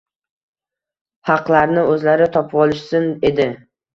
Haqlarini o‘zlari topvolishsin edi